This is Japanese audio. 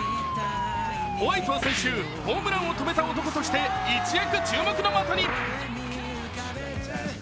ホワイトは先週、ホームランを止めた男として一躍注目の的に。